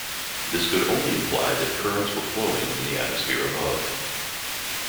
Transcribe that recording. This could only imply that currents were flowing in the atmosphere above.